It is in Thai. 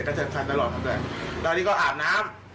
แต่กระเทิบทันตลอดครับแล้วที่ก็อาบน้ำ